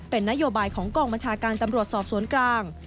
เป็นนโยบายของกองบัญชาการตำรวจสอบสวนกลาง